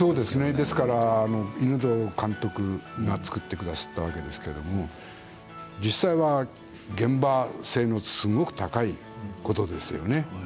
ですから犬童監督が作ってくださったわけですけれど実際は現場性のすごく高いことですよね。